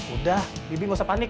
udah bibi nggak usah panik